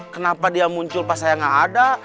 kenapa dia muncul pas saya nggak ada